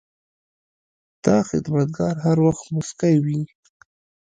دا خدمتګار هر وخت موسکی وي.